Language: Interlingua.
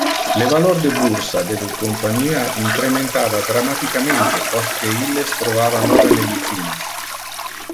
Le valor de bursa del compania incrementava dramaticamente post que illes trovava nove medicinas.